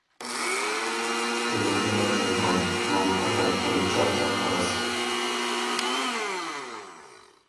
تولۇقلىما مەزمۇن-بۇ پەقەت بىر چاقچاق خالاس.